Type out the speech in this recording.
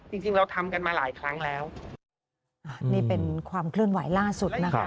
จริงจริงเราทำกันมาหลายครั้งแล้วนี่เป็นความเคลื่อนไหวล่าสุดนะคะ